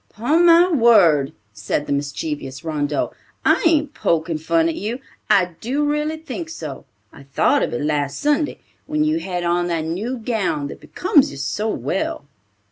"'Pon my word," said the mischievous Rondeau, "I ain't poking fun at you. I do really think so. I thought of it last Sunday, when you had on that new gown, that becomes you so well."